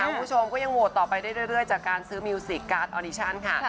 คุณผู้ชมก็ยังโหวตต่อไปได้เรื่อยจากการซื้อมิวสิกการ์ดออดิชั่นค่ะ